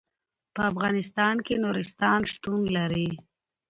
په افغانستان کې نورستان شتون لري.